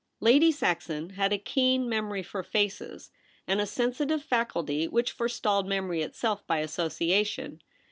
Lady Saxon had a keen memory for faces, and a sensitive faculty which forestalled memory itself by association.